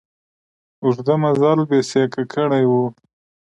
اوږده مزل بېسېکه کړی و.